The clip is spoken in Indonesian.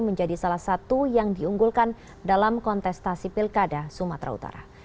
menjadi salah satu yang diunggulkan dalam kontestasi pilkada sumatera utara